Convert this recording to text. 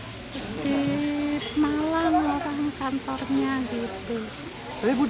jadi malam orang kantornya gitu